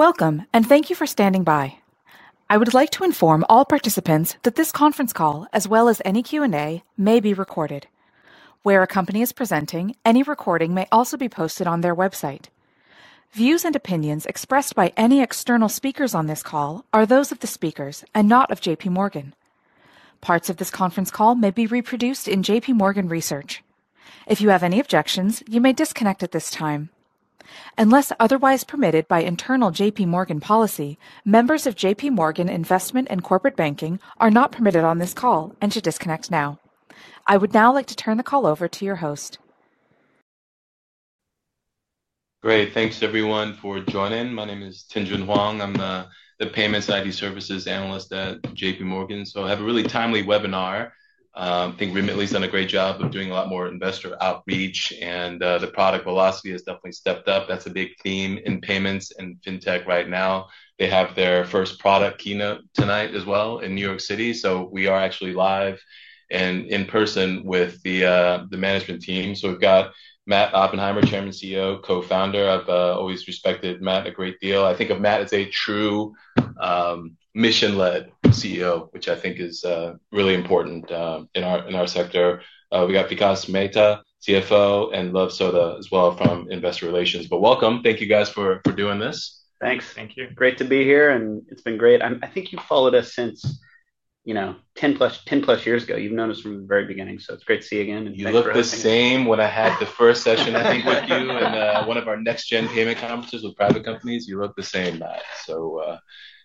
Welcome, and thank you for standing by. I would like to inform all participants that this conference call, as well as any Q&A, may be recorded. Where a company is presenting, any recording may also be posted on their website. Views and opinions expressed by any external speakers on this call are those of the speakers and not of JPMorgan. Parts of this conference call may be reproduced in JPMorgan research. If you have any objections, you may disconnect at this time. Unless otherwise permitted by internal JPMorgan policy, members of JPMorgan Investment and Corporate Banking are not permitted on this call and should disconnect now. I would now like to turn the call over to your host. Great. Thanks, everyone, for joining. My name is Tianjun Huang. I'm the Payments ID Services Analyst at JPMorgan Chase Bank. I have a really timely webinar. I think Remitly has done a great job of doing a lot more investor outreach, and the product velocity has definitely stepped up. That's a big theme in payments and fintech right now. They have their first product keynote tonight as well in New York City. We are actually live and in person with the management team. We've got Matt Oppenheimer, Chairman, CEO, co-founder. I've always respected Matt a great deal. I think of Matt as a true mission-led CEO, which I think is really important in our sector. We've got Vikas Mehta, CFO, and Love Sodha as well from investor relations. Welcome. Thank you guys for doing this. Thank you. Great to be here, and it's been great. I think you followed us since 10-plus years ago. You've known us from the very beginning. It's great to see you again. You look the same when I had the first session, I think, with you in one of our NextGen Payment Conferences with private companies. You look the same now.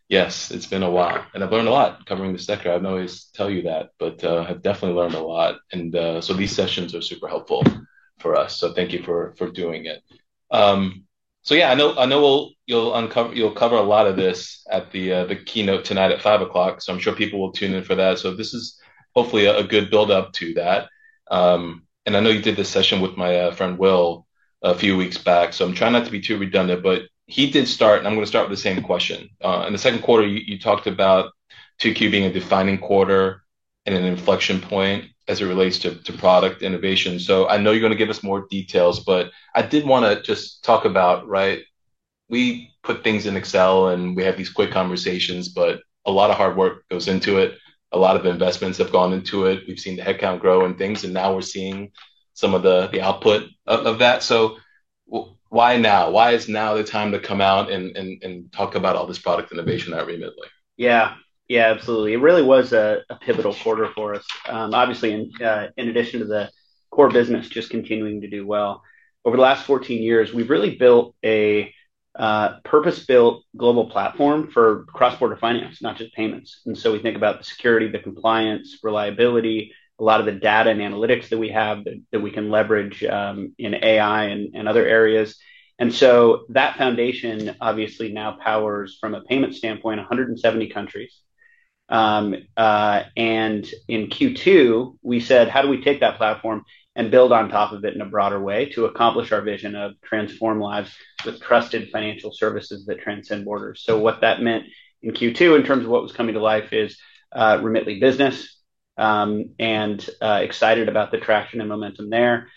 Yes, it's been a while. I've learned a lot covering the sector. I've always told you that, but I have definitely learned a lot. These sessions are super helpful for us. Thank you for doing it. I know you'll cover a lot of this at the keynote tonight at 5:00 P.M. I'm sure people will tune in for that. This is hopefully a good build-up to that. I know you did this session with my friend Will a few weeks back. I'm trying not to be too redundant, but he did start, and I'm going to start with the same question. In the second quarter, you talked about 2Q being a defining quarter and an inflection point as it relates to product innovation. I know you're going to give us more details, but I did want to just talk about, right, we put things in Excel, and we have these quick conversations, but a lot of hard work goes into it. A lot of investments have gone into it. We've seen the headcount grow and things, and now we're seeing some of the output of that. Why now? Why is now the time to come out and talk about all this product innovation at Remitly? Yeah, absolutely. It really was a pivotal quarter for us. Obviously, in addition to the core business just continuing to do well, over the last 14 years, we've really built a purpose-built global platform for cross-border finance, not just payments. We think about the security, the compliance, reliability, a lot of the data and analytics that we have that we can leverage in AI and other areas. That foundation obviously now powers, from a payment standpoint, 170 countries. In Q2, we said, how do we take that platform and build on top of it in a broader way to accomplish our vision of transforming lives with trusted financial services that transcend borders? What that meant in Q2 in terms of what was coming to life is Remitly Business. Excited about the traction and momentum there,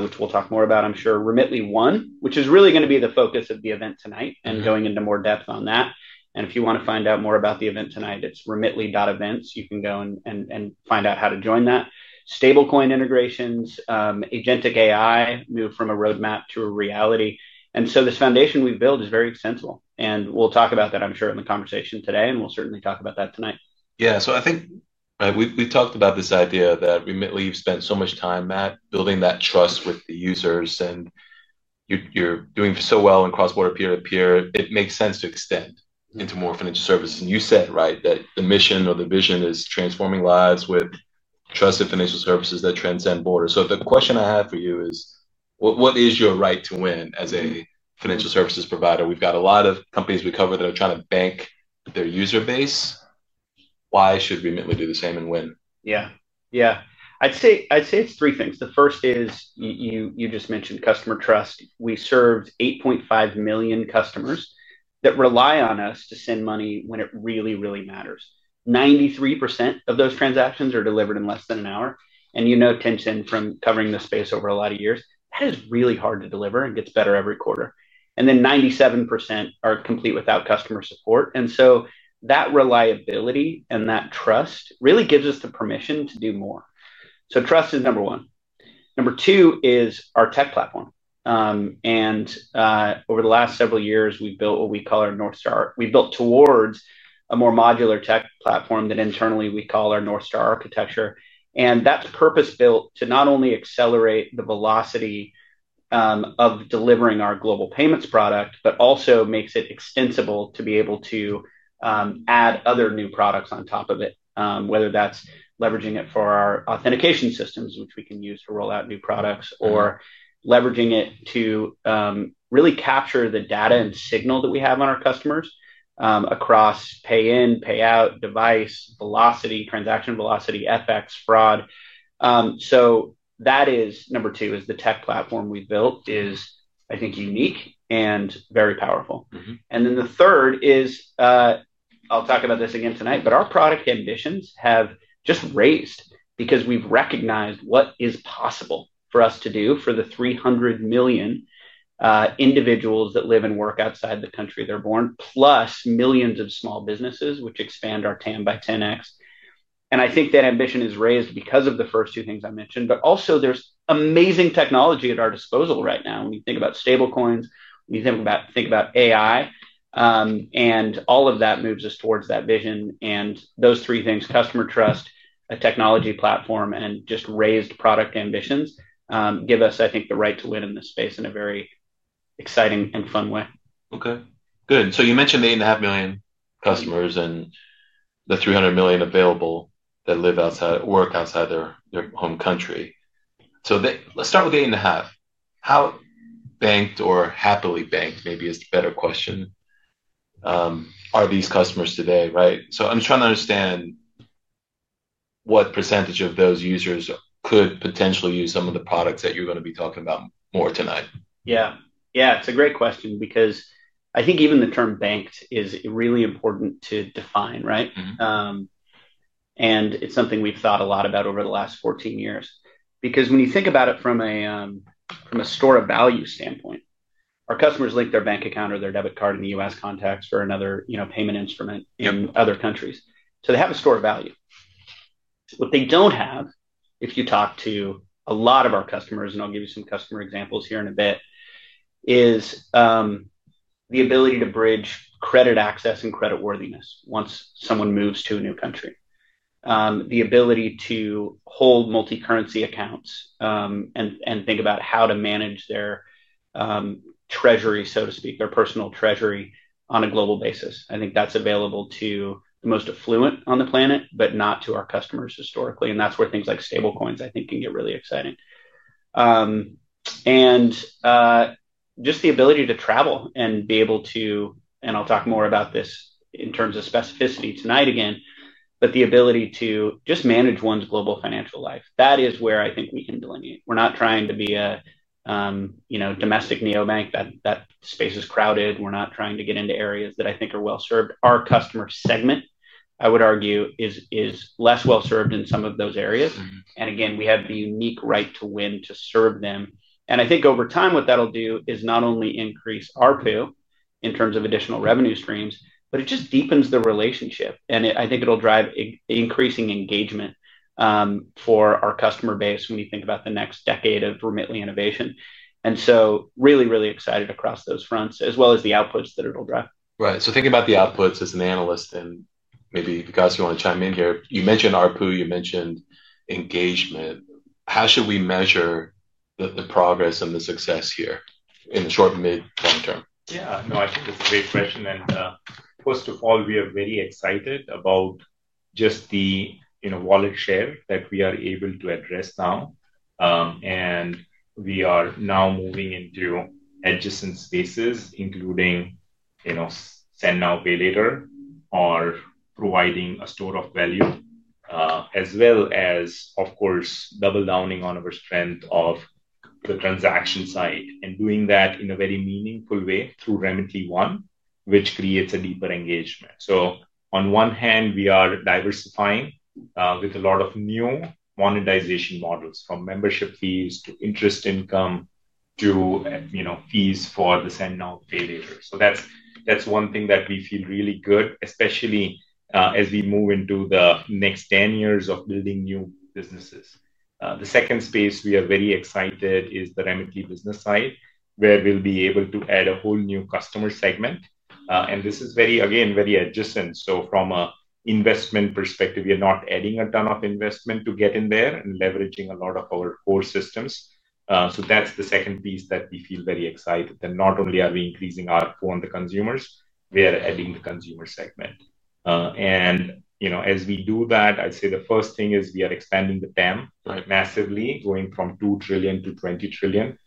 which we'll talk more about, I'm sure. Remitly One, which is really going to be the focus of the event tonight and going into more depth on that. If you want to find out more about the event tonight, it's remitly.events. You can go and find out how to join that. Stablecoin integrations, Agentic AI, move from a roadmap to a reality. This foundation we've built is very sensible. We'll talk about that, I'm sure, in the conversation today, and we'll certainly talk about that tonight. Yeah, I think we talked about this idea that Remitly spent so much time, Matt, building that trust with the users. You're doing so well in cross-border peer-to-peer. It makes sense to extend into more financial services. You said it right that the mission or the vision is transforming lives with trusted financial services that transcend borders. The question I have for you is, what is your right to win as a financial services provider? We've got a lot of companies we cover that are trying to bank their user base. Why should Remitly do the same and win? Yeah, yeah. I'd say it's three things. The first is, you just mentioned, customer trust. We've served 8.5 million customers that rely on us to send money when it really, really matters. 93% of those transactions are delivered in less than an hour. You know, Tianjun, from covering the space over a lot of years, that is really hard to deliver and gets better every quarter. 97% are complete without customer support. That reliability and that trust really gives us the permission to do more. Trust is number one. Number two is our tech platform. Over the last several years, we've built what we call our North Star. We've built towards a more modular tech platform that internally we call our North Star architecture. That's purpose-built to not only accelerate the velocity of delivering our global payments product, but also makes it extensible to be able to add other new products on top of it, whether that's leveraging it for our authentication systems, which we can use to roll out new products, or leveraging it to really capture the data and signal that we have on our customers across pay-in, pay-out, device, velocity, transaction velocity, FX, fraud. That is number two, the tech platform we've built is, I think, unique and very powerful. The third is, I'll talk about this again tonight, but our product ambitions have just raised because we've recognized what is possible for us to do for the 300 million individuals that live and work outside the country they're born, plus millions of small businesses, which expand our TAM by 10x. I think that ambition is raised because of the first two things I mentioned. There's amazing technology at our disposal right now. When you think about stablecoins, when you think about AI, all of that moves us towards that vision. Those three things, customer trust, a technology platform, and just raised product ambitions give us, I think, the right to win in this space in a very exciting and fun way. OK, good. You mentioned the 8.5 million customers and the 300 million available that live outside, work outside their home country. Let's start with 8.5. How banked, or happily banked maybe is the better question, are these customers today, right? I'm just trying to understand what % of those users could potentially use some of the products that you're going to be talking about more tonight. Yeah, yeah, it's a great question because I think even the term banked is really important to define, right? It's something we've thought a lot about over the last 14 years. Because when you think about it from a store of value standpoint, our customers link their bank account or their debit card in the U.S. context or another payment instrument in other countries. They have a store of value. What they don't have, if you talk to a lot of our customers, and I'll give you some customer examples here in a bit, is the ability to bridge credit access and creditworthiness once someone moves to a new country, the ability to hold multi-currency accounts, and think about how to manage their treasury, so to speak, their personal treasury on a global basis. I think that's available to the most affluent on the planet, but not to our customers historically. That's where things like stablecoins, I think, can get really exciting. Just the ability to travel and be able to, and I'll talk more about this in terms of specificity tonight again, but the ability to just manage one's global financial life. That is where I think we can delineate. We're not trying to be a domestic neobank. That space is crowded. We're not trying to get into areas that I think are well served. Our customer segment, I would argue, is less well served in some of those areas. We have the unique right to win to serve them. I think over time, what that'll do is not only increase ARPU in terms of additional revenue streams, but it just deepens the relationship. I think it'll drive increasing engagement for our customer base when you think about the next decade of Remitly innovation. Really, really excited across those fronts, as well as the outputs that it'll drive. Right. Thinking about the outputs as an analyst, and maybe Vikas you want to chime in here, you mentioned ARPU. You mentioned engagement. How should we measure the progress and the success here in the short, mid, long term? Yeah, no, I think it's very fresh. First of all, we are very excited about just the wallet share that we are able to address now. We are now moving into edge and spaces, including send now, pay later, or providing a store of value, as well as, of course, doubling down on our strength of the transaction side and doing that in a very meaningful way through Remitly One, which creates a deeper engagement. On one hand, we are diversifying with a lot of new monetization models from membership fees, interest income, to fees for the send now, pay later. That's one thing that we feel really good, especially as we move into the next 10 years of building new businesses. The second space we are very excited is the Remitly Business side, where we'll be able to add a whole new customer segment. This is very, again, very edge distance. From an investment perspective, we are not adding a ton of investment to get in there and leveraging a lot of our core systems. That's the second piece that we feel very excited. Not only are we increasing our pool on the consumers, we are adding the consumer segment. As we do that, I'd say the first thing is we are expanding the TAM massively, going from $2 trillion to $20 trillion.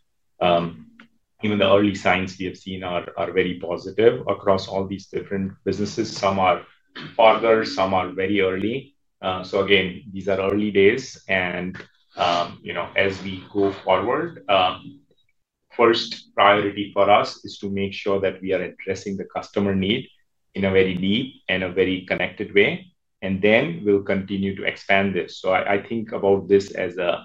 Even the early signs we have seen are very positive across all these different businesses. Some are partners, some are very early. These are early days. As we go forward, first priority for us is to make sure that we are addressing the customer need in a very deep and a very connected way. We will continue to expand this. I think about this as a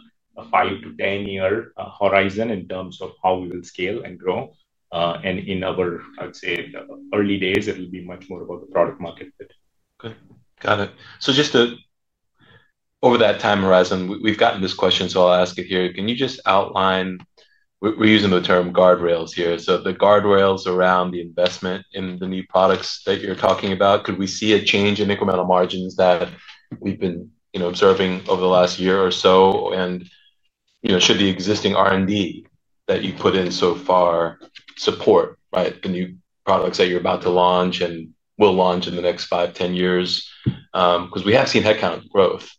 5 to 10-year horizon in terms of how we will scale and grow. In our, I'd say, early days, it will be much more about the product market fit. OK, got it. Over that time horizon, we've gotten this question, so I'll ask it here. Can you just outline, we're using the term guardrails here, the guardrails around the investment in the new products that you're talking about? Could we see a change in incremental margins that we've been observing over the last year or so? Should the existing R&D that you put in so far support the new products that you're about to launch and will launch in the next 5, 10 years? We have seen headcount growth.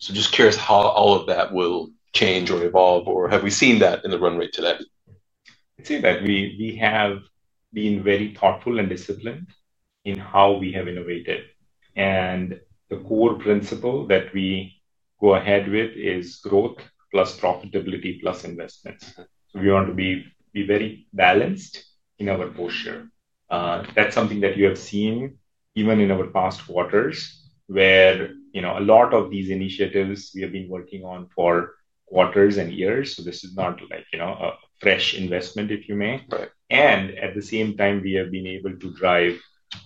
Just curious how all of that will change or evolve, or have we seen that in the run rate to that? I'd say that we have been very thoughtful and disciplined in how we have innovated. The core principle that we go ahead with is growth plus profitability plus investments. We want to be very balanced in our posture. That's something that you have seen even in our past quarters, where a lot of these initiatives we have been working on for quarters and years. This is not like a fresh investment, if you may. At the same time, we have been able to drive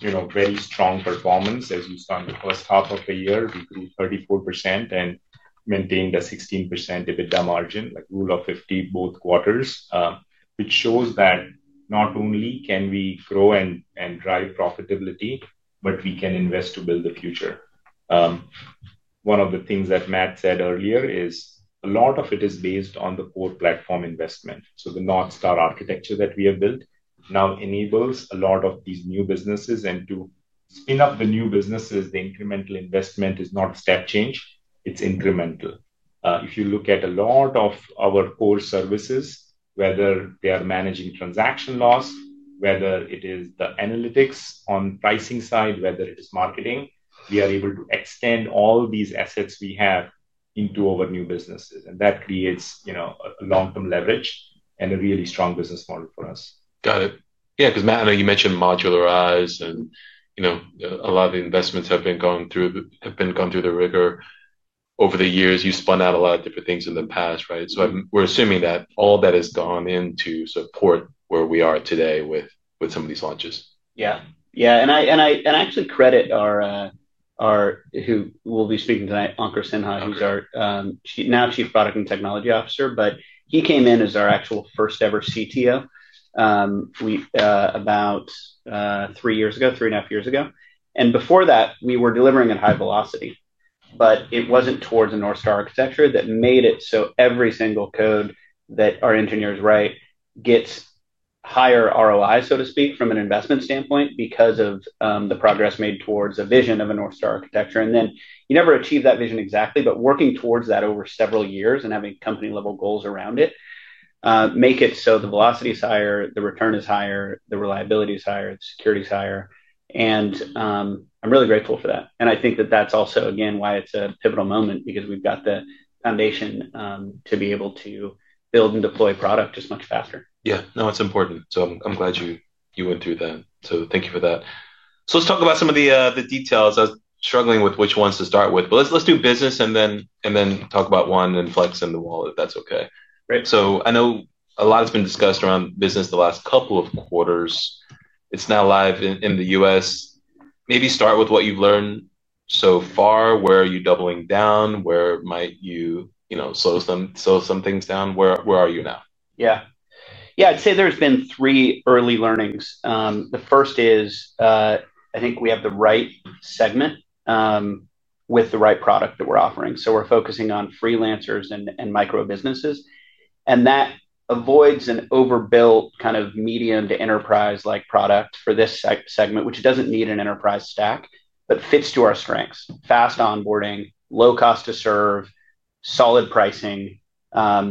very strong performance. As you saw in the first half of the year, we grew 34% and maintained a 16% EBITDA margin, like rule of 50 both quarters, which shows that not only can we grow and drive profitability, but we can invest to build the future. One of the things that Matt Oppenheimer said earlier is a lot of it is based on the core platform investment. The North Star architecture that we have built now enables a lot of these new businesses. To spin up the new businesses, the incremental investment is not a step change. It's incremental. If you look at a lot of our core services, whether they are managing transaction loss, whether it is the analytics on the pricing side, whether it is marketing, we are able to extend all these assets we have into our new businesses. That creates a long-term leverage and a really strong business model for us. Got it. Yeah, because Matt, I know you mentioned modularize, and you know a lot of the investments have gone through the rigor over the years. You spun out a lot of different things in the past, right? We're assuming that all that has gone in to support where we are today with some of these launches. Yeah, yeah. I actually credit our, who will be speaking tonight, Ankur Sinha, who's our now Chief Product and Technology Officer. He came in as our actual first-ever CTO about three years ago, three and a half years ago. Before that, we were delivering at high velocity, but it wasn't towards the North Star architecture that made it so every single code that our engineers write gets higher ROI, so to speak, from an investment standpoint because of the progress made towards a vision of a North Star architecture. You never achieve that vision exactly, but working towards that over several years and having company-level goals around it make it so the velocity is higher, the return is higher, the reliability is higher, the security is higher. I'm really grateful for that. I think that that's also, again, why it's a pivotal moment because we've got the foundation to be able to build and deploy product just much faster. Yeah, it's important. I'm glad you went through that. Thank you for that. Let's talk about some of the details. I was struggling with which ones to start with. Let's do business and then talk about One and flag some of the wall if that's OK. I know a lot has been discussed around business the last couple of quarters. It's now live in the U.S. Maybe start with what you've learned so far. Where are you doubling down? Where might you slow some things down? Where are you now? Yeah, I'd say there's been three early learnings. The first is I think we have the right segment with the right product that we're offering. We're focusing on freelancers and microbusinesses. That avoids an overbuilt kind of medium to enterprise-like product for this segment, which doesn't need an enterprise stack, but fits to our strengths: fast onboarding, low cost to serve, solid pricing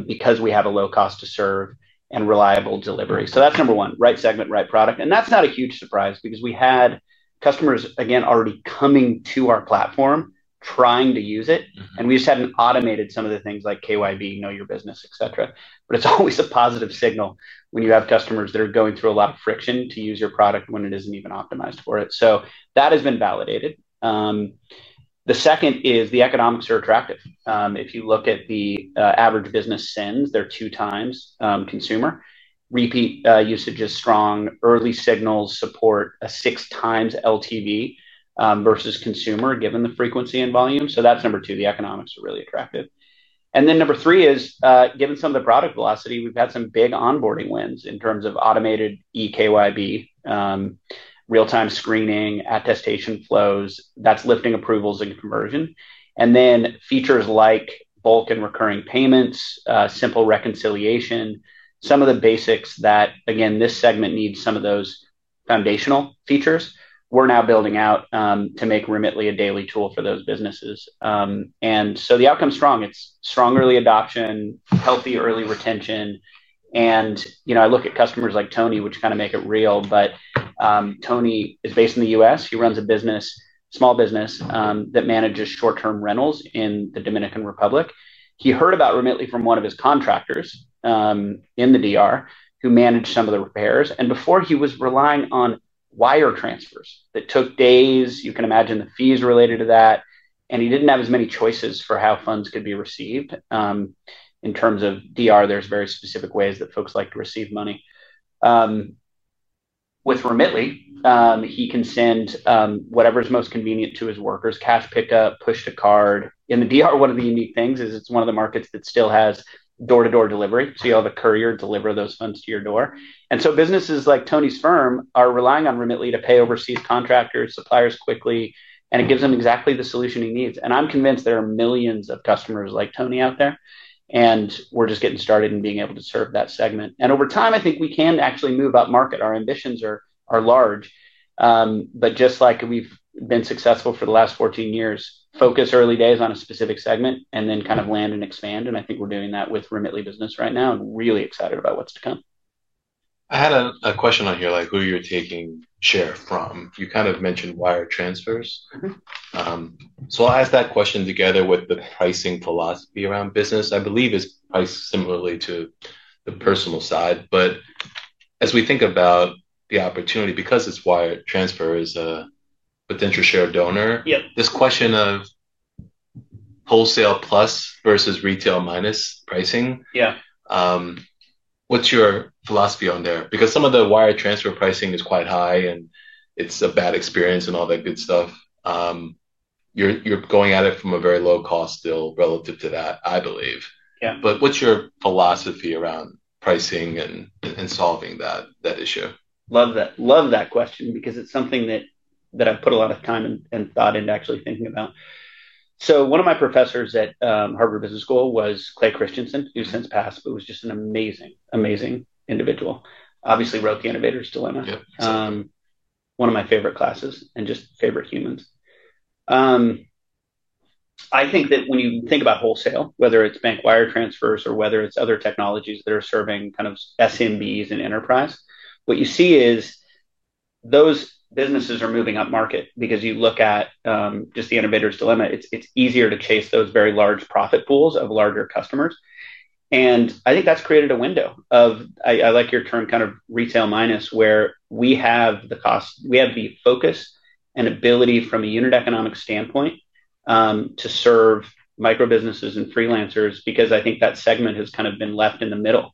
because we have a low cost to serve, and reliable delivery. That's number one, right segment, right product. That's not a huge surprise because we had customers already coming to our platform trying to use it. We just hadn't automated some of the things like KYB, know your business, et cetera. It's always a positive signal when you have customers that are going through a lot of friction to use your product when it isn't even optimized for it. That has been validated. The second is the economics are attractive. If you look at the average business spend, they're two times consumer. Repeat usage is strong. Early signals support a six times LTV versus consumer given the frequency and volume. That's number two. The economics are really attractive. Number three is given some of the product velocity, we've had some big onboarding wins in terms of automated e-KYB, real-time screening, attestation flows. That's lifting approvals and conversion. Features like bulk and recurring payments, simple reconciliation, some of the basics that this segment needs, some of those foundational features, we're now building out to make Remitly a daily tool for those businesses. The outcome is strong. It's strong early adoption, healthy early retention. I look at customers like Tony, which kind of make it real. Tony is based in the U.S. He runs a small business that manages short-term rentals in the Dominican Republic. He heard about Remitly from one of his contractors in the DR who managed some of the repairs. Before, he was relying on wire transfers. It took days. You can imagine the fees related to that. He didn't have as many choices for how funds could be received. In terms of DR, there are very specific ways that folks like to receive money. With Remitly, he can send whatever is most convenient to his workers, cash pickup, push to card. In the DR, one of the unique things is it's one of the markets that still has door-to-door delivery. You have a courier deliver those funds to your door. Businesses like Tony's firm are relying on Remitly to pay overseas contractors and suppliers quickly. It gives them exactly the solution he needs. I'm convinced there are millions of customers like Tony out there. We're just getting started in being able to serve that segment. Over time, I think we can actually move up market. Our ambitions are large. Just like we've been successful for the last 14 years, focus early days on a specific segment and then kind of land and expand. I think we're doing that with Remitly Business right now and really excited about what's to come. I had a question on your, like, who you're taking share from. You kind of mentioned wire transfers. I'll ask that question together with the pricing philosophy around business. I believe it's priced similarly to the personal side. As we think about the opportunity, because it's wire transfer as a potential share donor, this question of wholesale plus versus retail minus pricing, what's your philosophy on there? Some of the wire transfer pricing is quite high, and it's a bad experience and all that good stuff. You're going at it from a very low cost still relative to that, I believe. What's your philosophy around pricing and solving that issue? Love that question because it's something that I've put a lot of time and thought into actually thinking about. One of my professors at Harvard Business School was Clay Christensen, who's since passed, but was just an amazing, amazing individual. Obviously, wrote The Innovator's Dilemma. One of my favorite classes and just favorite humans. I think that when you think about wholesale, whether it's bank wire transfers or whether it's other technologies that are serving kind of SMBs and enterprise, what you see is those businesses are moving up market because you look at just The Innovator's Dilemma. It's easier to chase those very large profit pools of larger customers. I think that's created a window of, I like your term kind of retail minus, where we have the cost, we have the focus and ability from a unit economic standpoint to serve micro businesses and freelancers because I think that segment has kind of been left in the middle.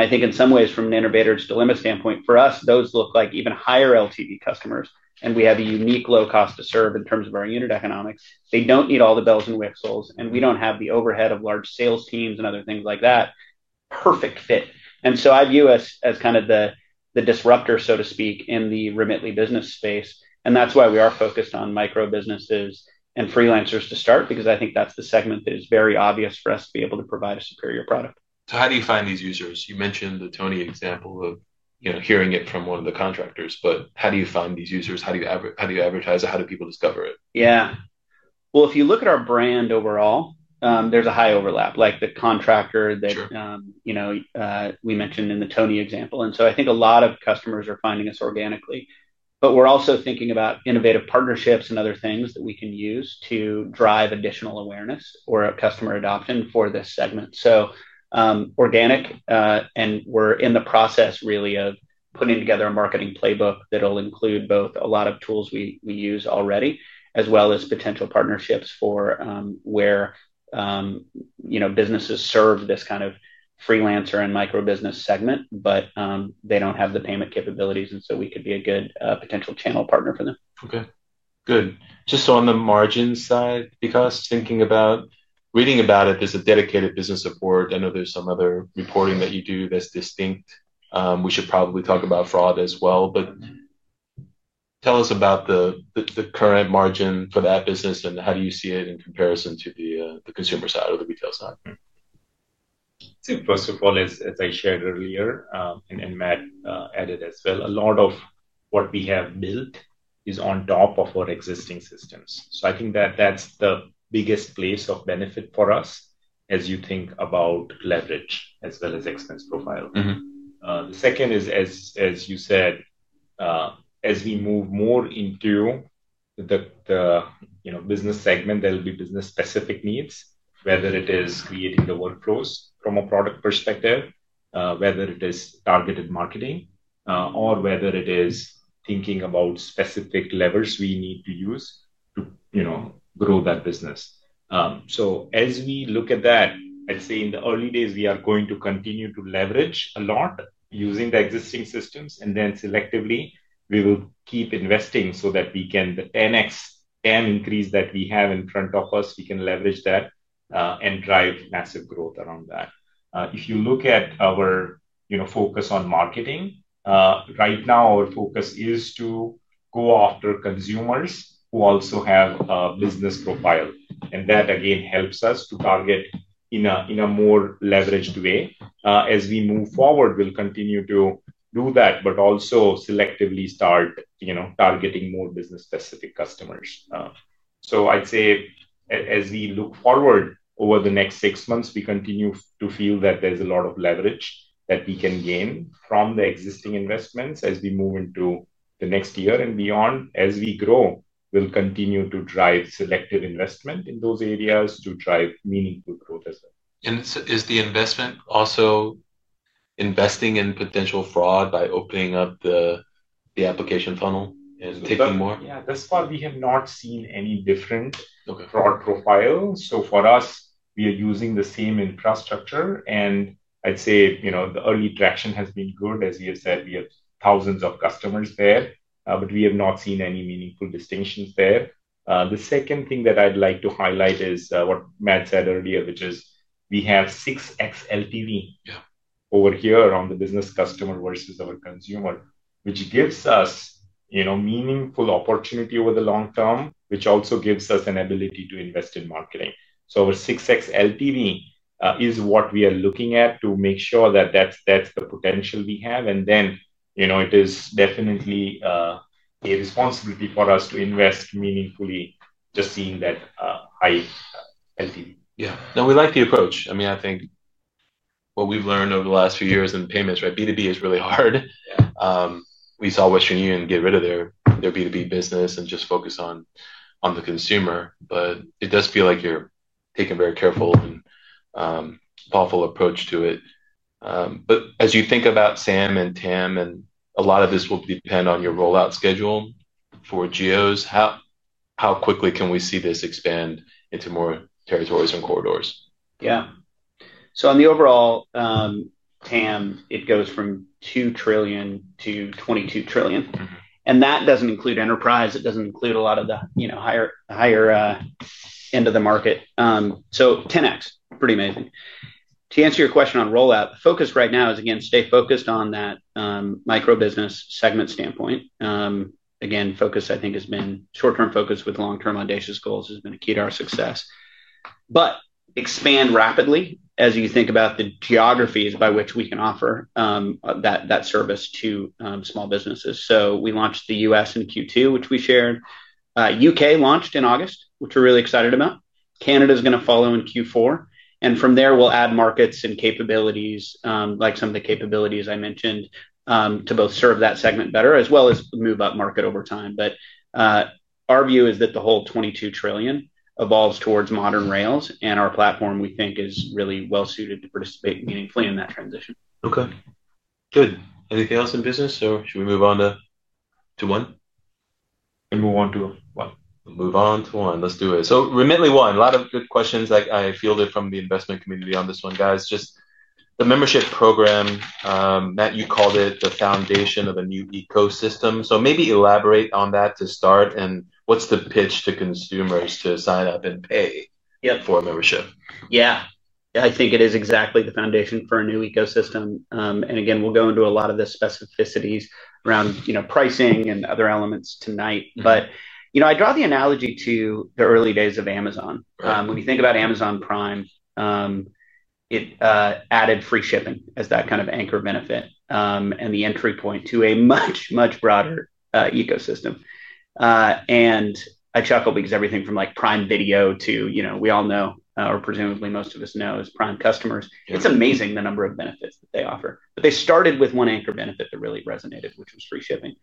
I think in some ways, from The Innovator's Dilemma standpoint, for us, those look like even higher LTV customers. We have a unique low cost to serve in terms of our unit economics. They don't need all the bells and whistles, and we don't have the overhead of large sales teams and other things like that. Perfect fit. I view us as kind of the disruptor, so to speak, in the Remitly Business space. That's why we are focused on micro businesses and freelancers to start because I think that's the segment that is very obvious for us to be able to provide a superior product. How do you find these users? You mentioned the Tony example of hearing it from one of the contractors. How do you find these users? How do you advertise it? How do people discover it? If you look at our brand overall, there's a high overlap, like the contractor that we mentioned in the Tony example. I think a lot of customers are finding us organically. We're also thinking about innovative partnerships and other things that we can use to drive additional awareness or customer adoption for this segment. Organic, and we're in the process really of putting together a marketing playbook that will include both a lot of tools we use already, as well as potential partnerships for where businesses serve this kind of freelancer and microbusiness segment, but they don't have the payment capabilities. We could be a good potential channel partner for them. OK, good. Just so on the margin side, Vikas, thinking about reading about it, there's a dedicated business support. I know there's some other reporting that you do that's distinct. We should probably talk about fraud as well. Tell us about the current margin for that business, and how do you see it in comparison to the consumer side or the retail side? I'd say first of all, as I shared earlier and Matt added as well, a lot of what we have built is on top of our existing systems. I think that that's the biggest place of benefit for us as you think about leverage as well as expense profile. The second is, as you said, as we move more into the business segment, there will be business-specific needs, whether it is creating the workflows from a product perspective, whether it is targeted marketing, or whether it is thinking about specific levers we need to use to grow that business. As we look at that, I'd say in the early days, we are going to continue to leverage a lot using the existing systems. Then selectively, we will keep investing so that we can, with the 10x TAM increase that we have in front of us, leverage that and drive massive growth around that. If you look at our focus on marketing, right now our focus is to go after consumers who also have a business profile. That, again, helps us to target in a more leveraged way. As we move forward, we'll continue to do that, but also selectively start targeting more business-specific customers. I'd say as we look forward over the next six months, we continue to feel that there's a lot of leverage that we can gain from the existing investments as we move into the next year and beyond. As we grow, we'll continue to drive selective investment in those areas to drive meaningful growth as well. Is the investment also investing in potential fraud by opening up the application funnel and taking more? Yeah, thus far we have not seen any different fraud profiles. For us, we are using the same infrastructure, and I'd say the early traction has been good. As we have said, we have thousands of customers there, but we have not seen any meaningful distinctions there. The second thing that I'd like to highlight is what Matt Oppenheimer said earlier, which is we have 6x LTV over here around the business customer versus our consumer, which gives us meaningful opportunity over the long term, which also gives us an ability to invest in marketing. Our 6x LTV is what we are looking at to make sure that that's the potential we have. It is definitely a responsibility for us to invest meaningfully, just seeing that high LTV. Yeah. We like the approach. I think what we've learned over the last few years in payments, right, B2B is really hard. We saw Western Union get rid of their B2B business and just focus on the consumer. It does feel like you're taking a very careful and thoughtful approach to it. As you think about SAM and TAM, and a lot of this will depend on your rollout schedule for geos, how quickly can we see this expand into more territories and corridors? Yeah. On the overall TAM, it goes from $2 trillion to $22 trillion. That doesn't include enterprise. It doesn't include a lot of the higher end of the market. So 10x, pretty amazing. To answer your question on rollout, the focus right now is, again, stay focused on that micro business segment standpoint. Focus, I think, has been short-term focus with long-term audacious goals, has been a key to our success. Expand rapidly as you think about the geographies by which we can offer that service to small businesses. We launched the U.S. in Q2, which we shared. U.K. launched in August, which we're really excited about. Canada is going to follow in Q4. From there, we'll add markets and capabilities, like some of the capabilities I mentioned, to both serve that segment better as well as move up market over time. Our view is that the whole $22 trillion evolves towards modern rails. Our platform, we think, is really well suited to participate meaningfully in that transition. OK, good. Anything else in business, or should we move on to One? Move on to Remitly One. Move on to one. Let's do it. Remitly One, a lot of good questions. I feel that from the investment community on this one, guys, just the membership program. Matt, you called it the foundation of a new ecosystem. Maybe elaborate on that to start. What's the pitch to consumers to sign up and pay for a membership? Yeah, I think it is exactly the foundation for a new ecosystem. We'll go into a lot of the specificities around pricing and other elements tonight. I draw the analogy to the early days of Amazon. When you think about Amazon Prime, it added free shipping as that kind of anchor benefit and the entry point to a much, much broader ecosystem. I chuckle because everything from Prime Video to, we all know, or presumably most of us know, as Prime customers, it's amazing the number of benefits that they offer. They started with one anchor benefit that really resonated, which was free shipping.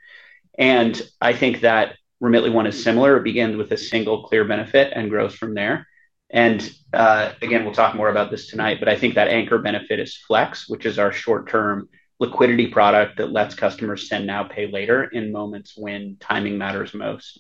I think that Remitly One is similar. It begins with a single clear benefit and grows from there. We'll talk more about this tonight. I think that anchor benefit is Flex, which is our short-term liquidity product that lets customers send now, pay later in moments when timing matters most.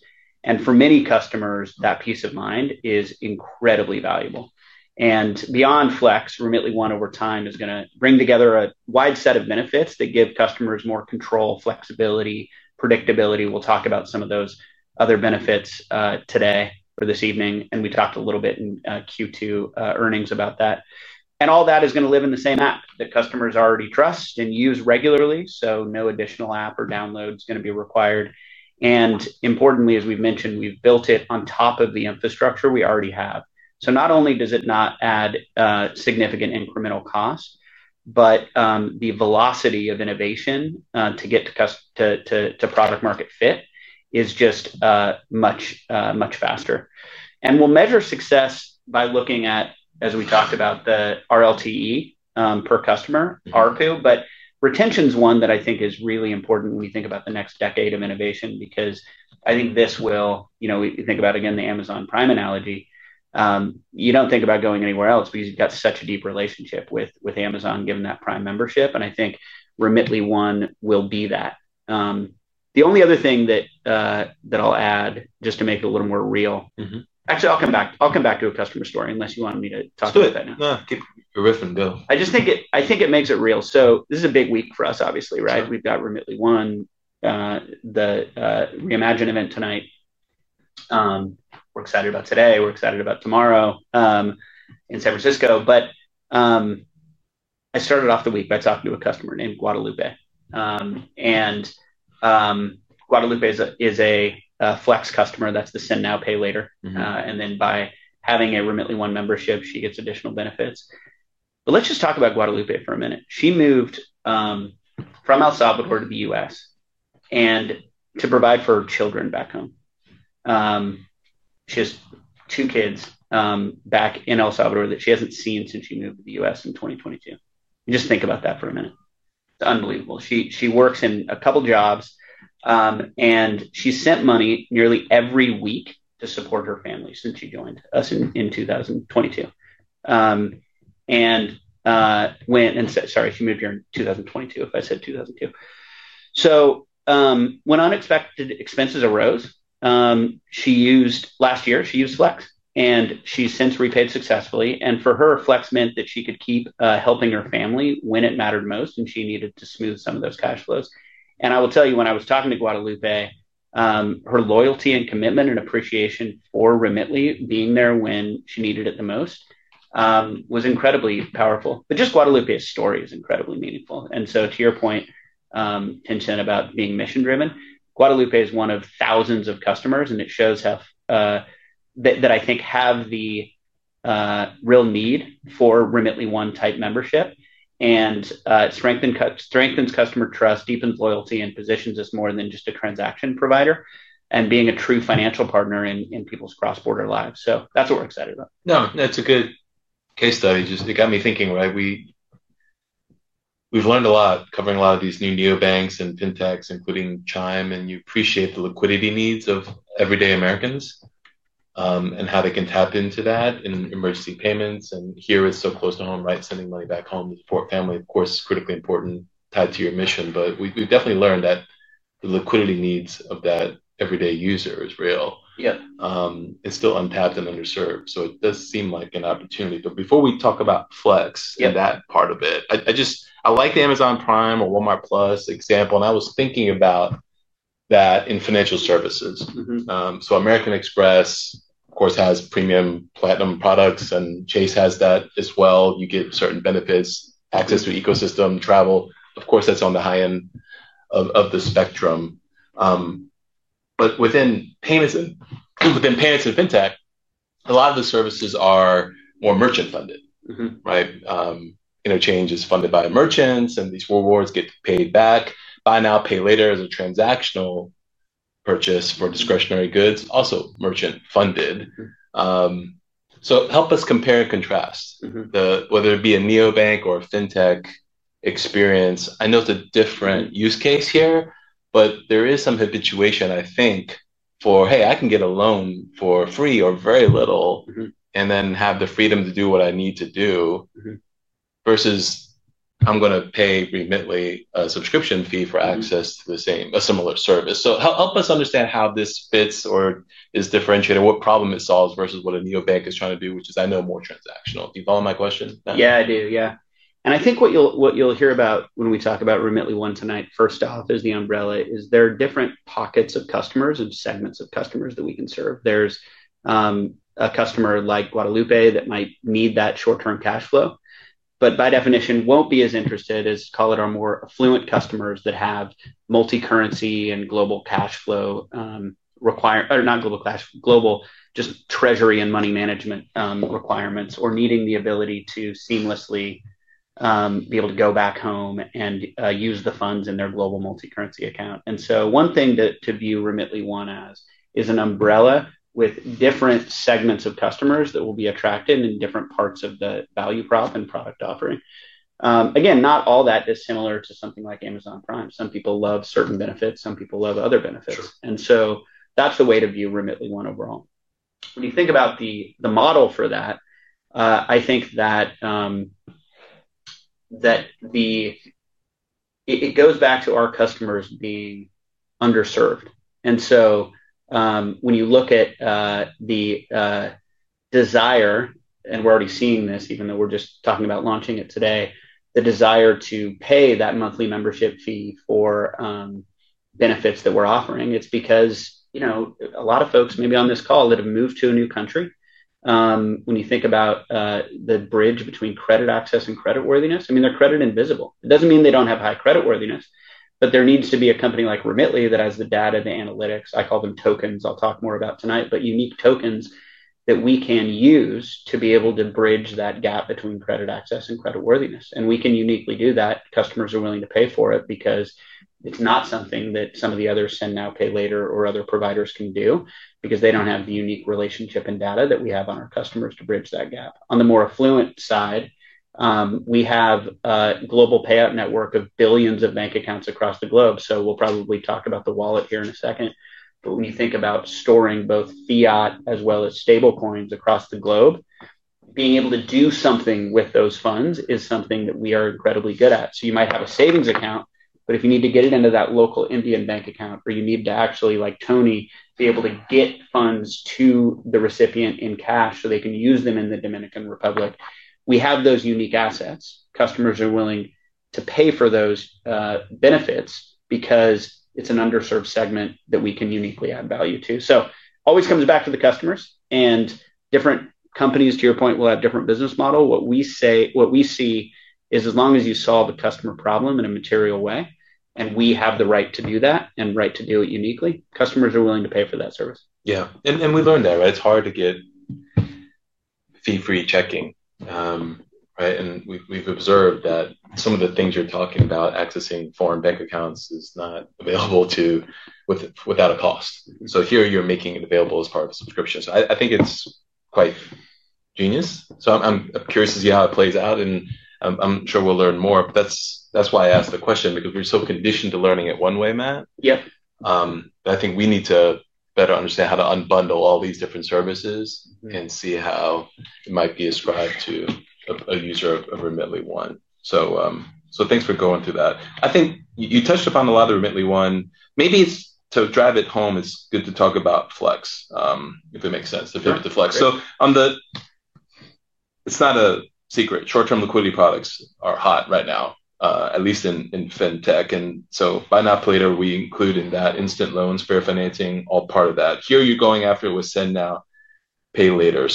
For many customers, that peace of mind is incredibly valuable. Beyond Flex, Remitly One over time is going to bring together a wide set of benefits that give customers more control, flexibility, and predictability. We'll talk about some of those other benefits today or this evening. We talked a little bit in Q2 earnings about that. All that is going to live in the same app that customers already trust and use regularly. No additional app or download is going to be required. Importantly, as we've mentioned, we've built it on top of the infrastructure we already have. Not only does it not add significant incremental cost, but the velocity of innovation to get to product market fit is just much, much faster. We'll measure success by looking at, as we talked about, the RLTE per customer, RPU. Retention is one that I think is really important when we think about the next decade of innovation because I think this will, you think about, again, the Amazon Prime analogy. You don't think about going anywhere else. We've got such a deep relationship with Amazon given that Prime membership. I think Remitly One will be that. The only other thing that I'll add just to make it a little more real, actually, I'll come back to a customer story unless you want me to talk about that now. No, keep your wisdom. Go. I just think it makes it real. This is a big week for us, obviously, right? We've got Remitly One, the Remitly Reimagine event tonight. We're excited about today. We're excited about tomorrow in San Francisco. I started off the week by talking to a customer named Guadalupe. Guadalupe is a Flex customer. That's the send now, pay later. By having a Remitly One membership, she gets additional benefits. Let's just talk about Guadalupe for a minute. She moved from El Salvador to the U.S. to provide for her children back home. She has two kids back in El Salvador that she hasn't seen since she moved to the U.S. in 2022. Just think about that for a minute. It's unbelievable. She works in a couple of jobs. She sent money nearly every week to support her family since she joined us in 2022. She moved here in 2022, if I said 2002. When unexpected expenses arose last year, she used Flex. She's since repaid successfully. For her, Flex meant that she could keep helping her family when it mattered most, and she needed to smooth some of those cash flows. I will tell you, when I was talking to Guadalupe, her loyalty and commitment and appreciation for Remitly being there when she needed it the most was incredibly powerful. Guadalupe's story is incredibly meaningful. To your point, Tianjun, about being mission-driven, Guadalupe is one of thousands of customers. It shows that I think have the real need for Remitly One type membership. It strengthens customer trust, deepens loyalty, and positions us more than just a transaction provider and being a true financial partner in people's cross-border lives. That's what we're excited about. No, that's a good case study. It got me thinking, right? We've learned a lot covering a lot of these new neobanks and fintechs and putting time. You appreciate the liquidity needs of everyday Americans and how they can tap into that in emergency payments. Here is so close to home, right? Sending money back home to support family, of course, is critically important, tied to your mission. We've definitely learned that the liquidity needs of that everyday user is real. It's still untapped and underserved. It does seem like an opportunity. Before we talk about Flex and that part of it, I like Amazon Prime or Walmart Plus example. I was thinking about that in financial services. American Express, of course, has premium platinum products. Chase has that as well. You get certain benefits, access to ecosystem, travel. Of course, that's on the high end of the spectrum. Within payments and fintech, a lot of the services are more merchant-funded, right? Interchange is funded by merchants. These rewards get paid back. Buy now, pay later is a transactional purchase for discretionary goods, also merchant-funded. Help us compare and contrast whether it be a neobank or a fintech experience. I know it's a different use case here. There is some habituation, I think, for, hey, I can get a loan for free or very little and then have the freedom to do what I need to do versus I'm going to pay Remitly a subscription fee for access to the same, a similar service. Help us understand how this fits or is differentiated, what problem it solves versus what a neobank is trying to do, which is, I know, more transactional. Do you follow my question? Yeah, I do. I think what you'll hear about when we talk about Remitly One tonight, first off, is the umbrella. There are different pockets of customers and segments of customers that we can serve. There's a customer like Guadalupe that might need that short-term cash flow, but by definition won't be as interested as, call it, our more affluent customers that have multi-currency and global cash flow requirements, or not global cash flow, global just treasury and money management requirements, or needing the ability to seamlessly be able to go back home and use the funds in their global multi-currency account. One thing to view Remitly One as is an umbrella with different segments of customers that will be attracted in different parts of the value prop and product offering. Again, not all that dissimilar to something like Amazon Prime. Some people love certain benefits. Some people love other benefits. That's the way to view Remitly One overall. When you think about the model for that, I think that it goes back to our customers being underserved. When you look at the desire, and we're already seeing this, even though we're just talking about launching it today, the desire to pay that monthly membership fee for benefits that we're offering, it's because a lot of folks maybe on this call that have moved to a new country, when you think about the bridge between credit access and creditworthiness, I mean, they're credit invisible. It doesn't mean they don't have high creditworthiness. There needs to be a company like Remitly that has the data, the analytics. I call them tokens. I'll talk more about tonight. Unique tokens that we can use to be able to bridge that gap between credit access and creditworthiness. We can uniquely do that. Customers are willing to pay for it because it's not something that some of the other send now, pay later, or other providers can do because they don't have the unique relationship and data that we have on our customers to bridge that gap. On the more affluent side, we have a global payout network of billions of bank accounts across the globe. We'll probably talk about the wallet here in a second. When you think about storing both fiat as well as stablecoins across the globe, being able to do something with those funds is something that we are incredibly good at. You might have a savings account. If you need to get it into that local Indian bank account, or you need to actually, like Tony, be able to get funds to the recipient in cash so they can use them in the Dominican Republic, we have those unique assets. Customers are willing to pay for those benefits because it's an underserved segment that we can uniquely add value to. It always comes back to the customers. Different companies, to your point, will have a different business model. What we say, what we see is as long as you solve a customer problem in a material way, and we have the right to do that and right to do it uniquely, customers are willing to pay for that service. Yeah. We learned that, right? It's hard to get fee-free checking, right? We've observed that some of the things you're talking about, accessing foreign bank accounts, is not available without a cost. Here you're making it available as part of subscriptions. I think it's quite genius. I'm curious to see how it plays out. I'm sure we'll learn more. That's why I asked the question because we're so conditioned to learning it one way, Matt. Yeah. I think we need to better understand how to unbundle all these different services and see how it might be ascribed to a user of Remitly One. Thanks for going through that. I think you touched upon a lot of the Remitly One. Maybe to drive it home, it's good to talk about Flex, if it makes sense, the pivot to Flex. It's not a secret. Short-term liquidity products are hot right now, at least in fintech. Buy now, pay later, we include in that instant loans, fair financing, all part of that. Here you're going after it with send now, pay later.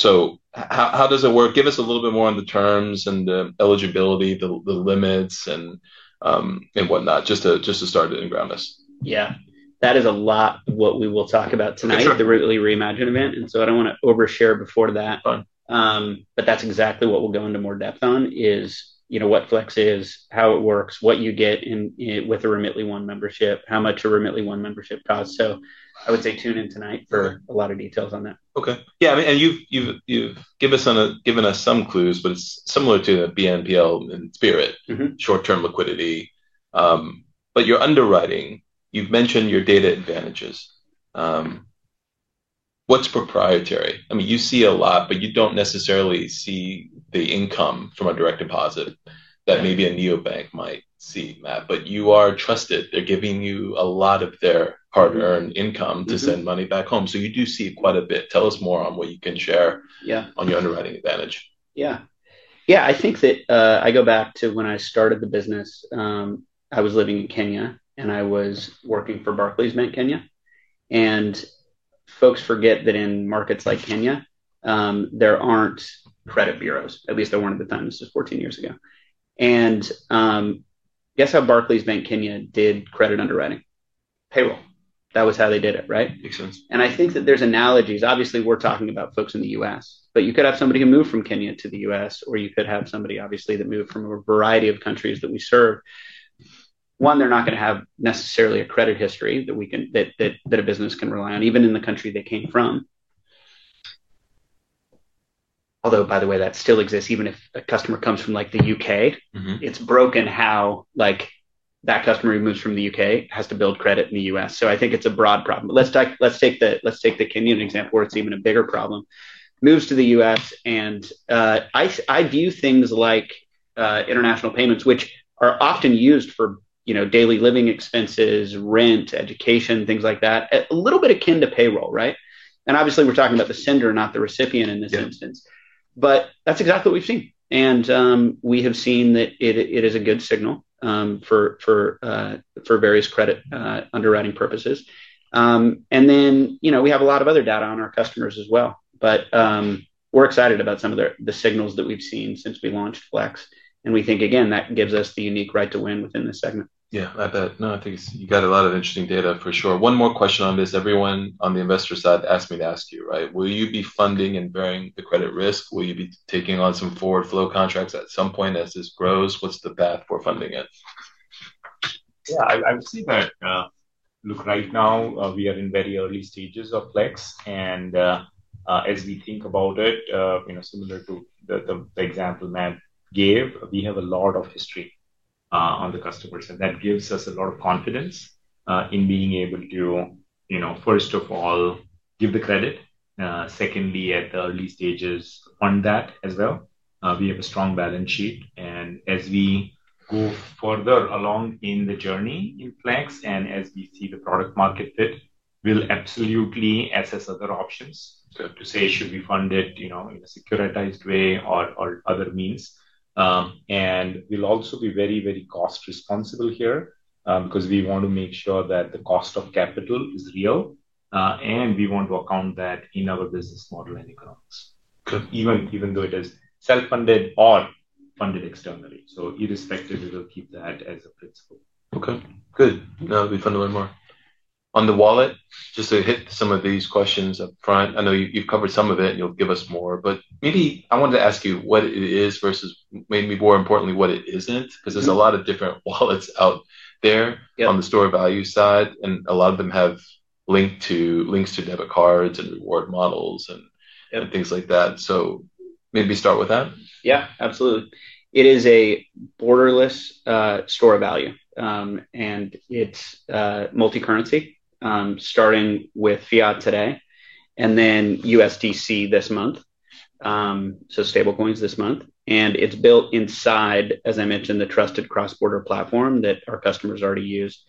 How does it work? Give us a little bit more on the terms and the eligibility, the limits, and whatnot, just to start it and ground us. That is a lot of what we will talk about tonight at the Remitly Reimagine event. I do not want to overshare before that. That is exactly what we will go into more depth on, what Flex is, how it works, what you get with a Remitly One membership, how much a Remitly One membership costs. I would say tune in tonight for a lot of details on that. OK, yeah. You've given us some clues, but it's similar to the BNPL in spirit, short-term liquidity. Your underwriting, you've mentioned your data advantages. What's proprietary? I mean, you see a lot, but you don't necessarily see the income from a direct deposit that maybe a neobank might see, Matt. You are trusted. They're giving you a lot of their hard-earned income to send money back home, so you do see it quite a bit. Tell us more on what you can share on your underwriting advantage. Yeah, I think that I go back to when I started the business. I was living in Kenya, and I was working for Barclays Bank Kenya. Folks forget that in markets like Kenya, there aren't credit bureaus. At least there weren't at the time. This was 14 years ago. Guess how Barclays Bank Kenya did credit underwriting? Payroll. That was how they did it, right? Makes sense. I think that there's analogies. Obviously, we're talking about folks in the U.S. You could have somebody who moved from Kenya to the U.S., or you could have somebody, obviously, that moved from a variety of countries that we serve. One, they're not going to have necessarily a credit history that a business can rely on, even in the country they came from. By the way, that still exists. Even if a customer comes from the UK, it's broken how that customer who moves from the UK has to build credit in the U.S. I think it's a broad problem. Let's take the Kenyan example where it's even a bigger problem. Moves to the U.S. I view things like international payments, which are often used for daily living expenses, rent, education, things like that, a little bit akin to payroll, right? Obviously, we're talking about the sender, not the recipient in this instance. That's exactly what we've seen. We have seen that it is a good signal for various credit underwriting purposes. We have a lot of other data on our customers as well. We're excited about some of the signals that we've seen since we launched Flex. We think, again, that gives us the unique right to win within this segment. Yeah, I bet. No, I think you got a lot of interesting data for sure. One more question on this. Everyone on the investor side asked me to ask you, right? Will you be funding and bearing the credit risk? Will you be taking on some forward flow contracts at some point as this grows? What's the path for funding it? Yeah, I would say that look, right now we are in very early stages of Flex. As we think about it, similar to the example Matt gave, we have a lot of history on the customers, and that gives us a lot of confidence in being able to, first of all, give the credit. Secondly, at the early stages on that as well, we have a strong balance sheet. As we move further along in the journey in Flex and as we see the product market fit, we'll absolutely assess other options to say should we fund it in a securitized way or other means. We'll also be very, very cost responsible here because we want to make sure that the cost of capital is real. We want to account that in our business model and economics. Even though it is self-funded or funded externally, irrespective, we will keep that as a principle. OK, good. Now we fund a little bit more. On the wallet, just to hit some of these questions up front, I know you've covered some of it, and you'll give us more. Maybe I wanted to ask you what it is versus, maybe more importantly, what it isn't. There's a lot of different wallets out there on the store value side. A lot of them have links to debit cards and reward models and things like that. Maybe start with that. Yeah, absolutely. It is a borderless store value, and it's multi-currency, starting with fiat today and then USDC this month, so stablecoins this month. It's built inside, as I mentioned, the trusted cross-border platform that our customers already use.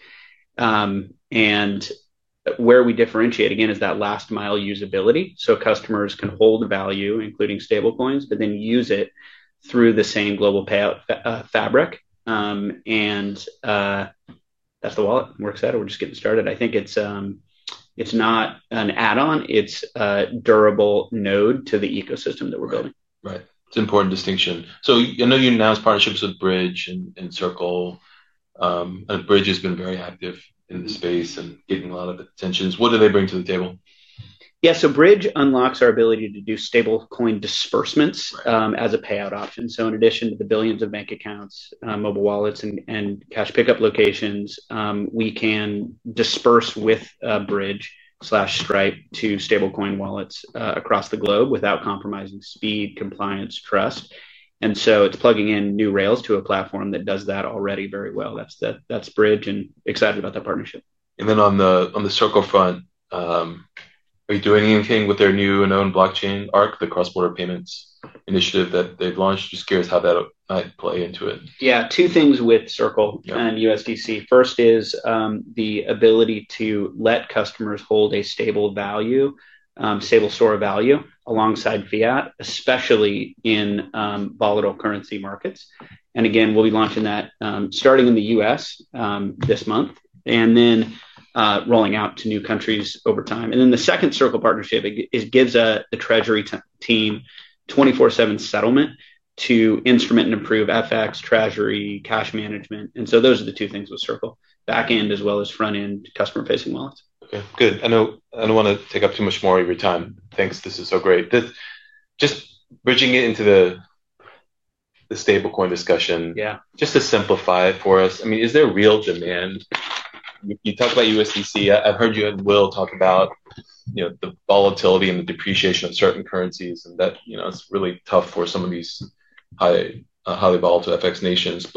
Where we differentiate, again, is that last mile usability. Customers can hold value, including stablecoins, but then use it through the same global payout fabric. That's the wallet. We're excited. We're just getting started. I think it's not an add-on. It's a durable node to the ecosystem that we're building. Right. It's an important distinction. I know you announced partnerships with Bridge and Circle. Bridge has been very active in the space and getting a lot of attention. What do they bring to the table? Yeah, Bridge unlocks our ability to do stablecoin disbursements as a payout option. In addition to the billions of bank accounts, mobile wallets, and cash pickup locations, we can disburse with Bridge and Stripe to stablecoin wallets across the globe without compromising speed, compliance, or trust. It's plugging in new rails to a platform that does that already very well. That's Bridge. Excited about that partnership. On the Circle front, are you doing anything with their new and owned blockchain Arc, the cross-border payments initiative that they've launched? Just curious how that might play into it. Yeah, two things with Circle and USDC. First is the ability to let customers hold a stable value, stable store value alongside fiat, especially in volatile currency markets. We'll be launching that starting in the U.S. this month and then rolling out to new countries over time. The second Circle partnership gives the treasury team 24/7 settlement to instrument and approve FX, treasury, cash management. Those are the two things with Circle, backend as well as frontend customer-facing wallets. OK, good. I don't want to take up too much more of your time. Thanks. This is so great. Just bridging into the stablecoin discussion, just to simplify for us, I mean, is there real demand? You talked about USDC. I've heard you and Will talk about the volatility and the depreciation of certain currencies. That's really tough for some of these highly volatile FX nations.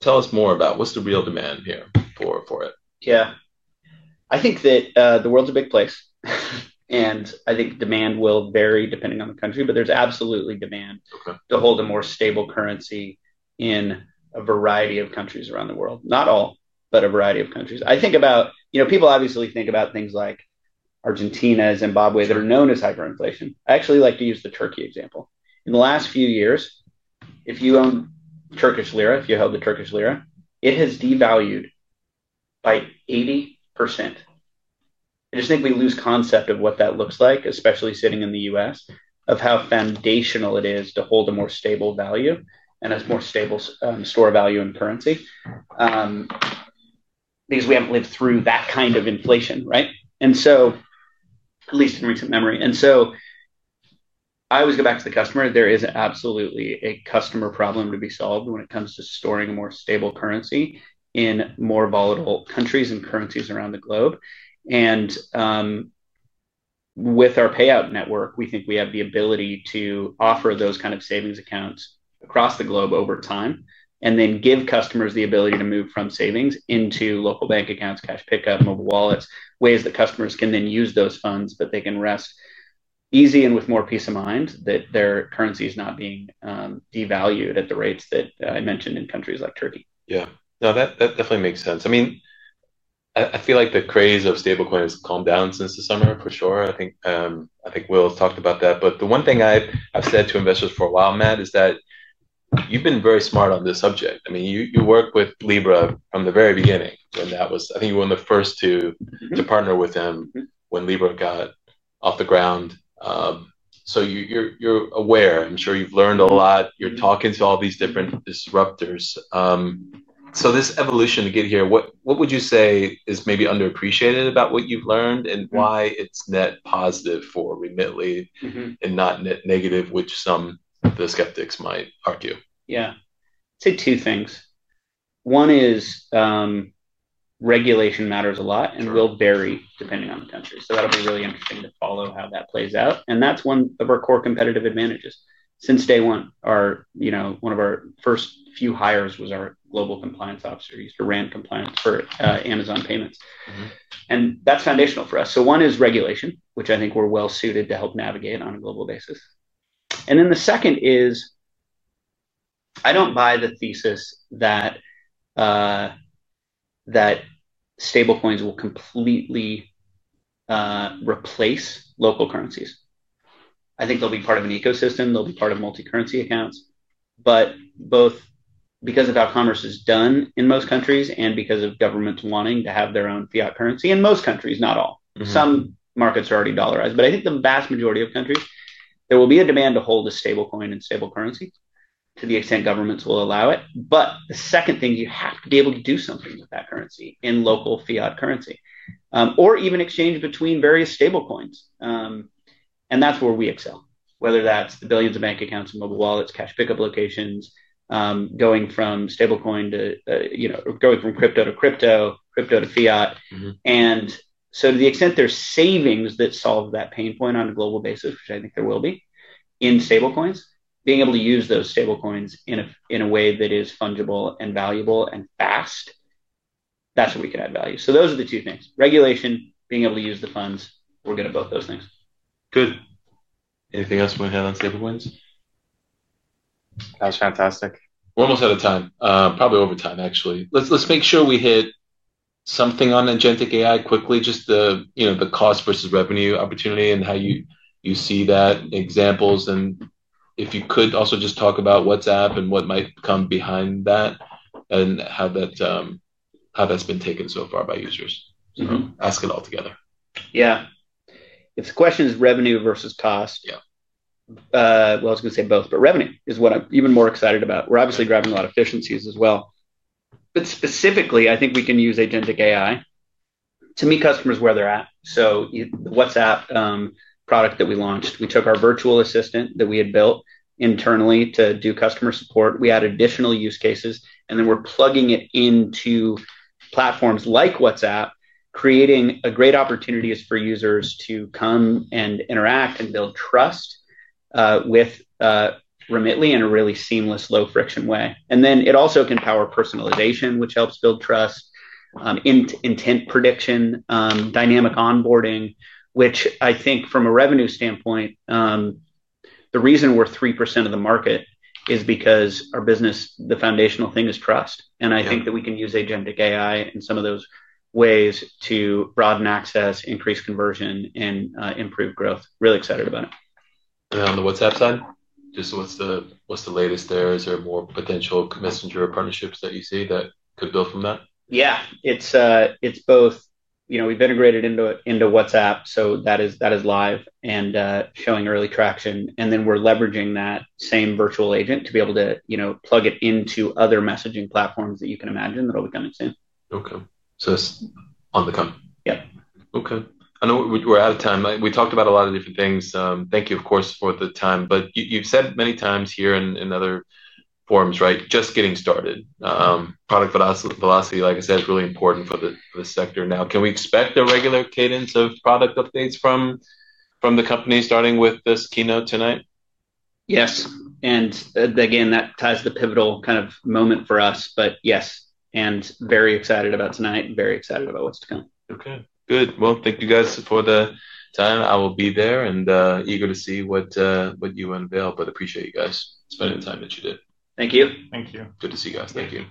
Tell us more about what's the real demand here for it. Yeah, I think that the world's a big place. I think demand will vary depending on the country, but there's absolutely demand to hold a more stable currency in a variety of countries around the world, not all, but a variety of countries. People obviously think about things like Argentina, Zimbabwe, that are known as hyperinflation. I actually like to use the Turkey example. In the last few years, if you own Turkish lira, if you held the Turkish lira, it has devalued by 80%. I just think we lose concept of what that looks like, especially sitting in the U.S., of how foundational it is to hold a more stable value and a more stable store value and currency because we haven't lived through that kind of inflation, at least in recent memory. I always go back to the customer. There is absolutely a customer problem to be solved when it comes to storing a more stable currency in more volatile countries and currencies around the globe. With our payout network, we think we have the ability to offer those kind of savings accounts across the globe over time and then give customers the ability to move from savings into local bank accounts, cash pickup, mobile wallets, ways that customers can then use those funds, but they can rest easy and with more peace of mind that their currency is not being devalued at the rates that I mentioned in countries like Turkey. Yeah, no, that definitely makes sense. I mean, I feel like the craze of stablecoins has calmed down since the summer, for sure. I think Will has talked about that. The one thing I've said to investors for a while, Matt, is that you've been very smart on this subject. I mean, you worked with Libra from the very beginning. I think you were one of the first to partner with them when Libra got off the ground. You're aware. I'm sure you've learned a lot. You're talking to all these different disruptors. This evolution to get here, what would you say is maybe underappreciated about what you've learned and why it's net positive for Remitly and not net negative, which some of the skeptics might argue? Yeah, I'd say two things. One is regulation matters a lot and will vary depending on the country. That'll be really interesting to follow how that plays out. That's one of our core competitive advantages. Since day one, one of our first few hires was our Global Compliance Officer. He used to run compliance for Amazon payments. That's foundational for us. One is regulation, which I think we're well suited to help navigate on a global basis. The second is I don't buy the thesis that stablecoins will completely replace local currencies. I think they'll be part of an ecosystem. They'll be part of multi-currency accounts. Both because of how commerce is done in most countries and because of governments wanting to have their own fiat currency in most countries, not all. Some markets are already dollarized. I think the vast majority of countries, there will be a demand to hold a stablecoin and stable currency to the extent governments will allow it. The second thing, you have to be able to do something with that currency in local fiat currency or even exchange between various stablecoins. That's where we excel, whether that's the billions of bank accounts and mobile wallets, cash pickup locations, going from crypto to crypto, crypto to fiat. To the extent there's savings that solve that pain point on a global basis, which I think there will be in stablecoins, being able to use those stablecoins in a way that is fungible and valuable and fast, that's where we can add value. Those are the two things. Regulation, being able to use the funds, we're good at both those things. Good. Anything else we want to hit on stablecoins? That was fantastic. We're almost out of time, probably over time, actually. Let's make sure we hit something on Agentic AI quickly, just the cost versus revenue opportunity and how you see that, examples. If you could also just talk about WhatsApp and what might come behind that and how that's been taken so far by users. Ask it all together. If the question is revenue versus cost, I was going to say both. Revenue is what I'm even more excited about. We're obviously grabbing a lot of efficiencies as well. Specifically, I think we can use Agentic AI to meet customers where they're at. The WhatsApp product that we launched, we took our virtual assistant that we had built internally to do customer support. We added additional use cases, and we're plugging it into platforms like WhatsApp, creating great opportunities for users to come and interact and build trust with Remitly in a really seamless, low friction way. It also can power personalization, which helps build trust, intent prediction, dynamic onboarding, which I think from a revenue standpoint, the reason we're 3% of the market is because our business, the foundational thing is trust. I think that we can use Agentic AI in some of those ways to broaden access, increase conversion, and improve growth. Really excited about it. On the WhatsApp side, what's the latest there? Is there more potential messenger partnerships that you see that could build from that? Yeah, it's both. We've integrated into WhatsApp, so that is live and showing early traction. We're leveraging that same virtual agent to be able to plug it into other messaging platforms that you can imagine will be coming soon. OK, so it's on the coming. Yeah. OK, I know we're out of time. We talked about a lot of different things. Thank you, of course, for the time. You've said many times here in other forums, just getting started. Product velocity, like I said, is really important for the sector now. Can we expect a regular cadence of product updates from the company, starting with this keynote tonight? Yes, that ties to the pivotal kind of moment for us. Yes, very excited about tonight and very excited about what's to come. OK, good. Thank you guys for the time. I will be there and eager to see what you unveil. I appreciate you guys spending the time that you do. Thank you. Thank you. Good to see you guys. Thank you.